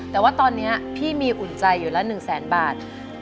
แต่ว่าตอนนี้พี่มีอุ่นใจอยู่แล้ว๑แสนบาท